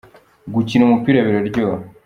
gukina umupira biraryoha.